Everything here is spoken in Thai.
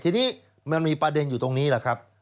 ทีนี้มันมีประเด็นอยู่ตรงนี้แหละครับ